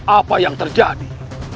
apa yang terjadi